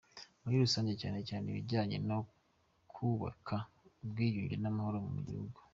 muri rusange, cyane cyane ibijyanye no kubaka ubwiyunge namahoro mu bihugu.